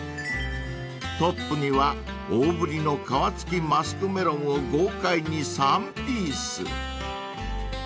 ［トップには大ぶりの皮付きマスクメロンを豪快に３ピース］